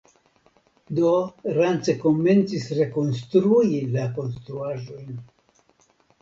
Do Rance komencis rekonstrui la konstruaĵojn.